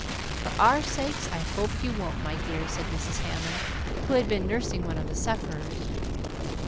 "For our sakes, I hope you won't, my dear," said Mrs. Hammond, who had been nursing one of the sufferers.